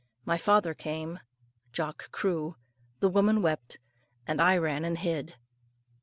My father came. Jock crew. The woman wept, and I ran and hid.